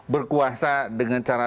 berkuasa dengan cara